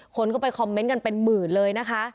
คนก็ไปคอมเมนต์กันเป็นหมื่นเลยนะคะ